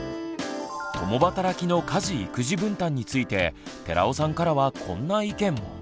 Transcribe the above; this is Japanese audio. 共働きの家事育児分担について寺尾さんからはこんな意見も。